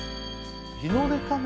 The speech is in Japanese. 日の出かね？